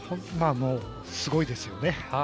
すごいですよね。